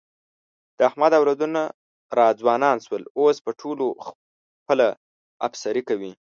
د احمد اولادونه را ځوانان شول، اوس په ټولو خپله افسري کوي.